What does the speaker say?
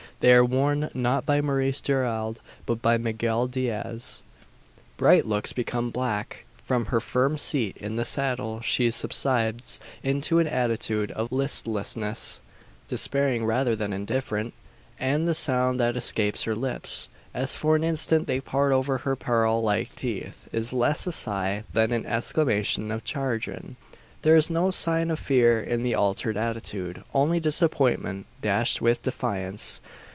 They are worn not by Maurice Gerald, but by Miguel Diaz! Bright looks become black. From her firm seat in the saddle she subsides into an attitude of listlessness despairing rather than indifferent; and the sound that escapes her lips, as for an instant they part over her pearl like teeth, is less a sigh than an exclamation of chagrin. There is no sign of fear in the altered attitude only disappointment, dashed with defiance.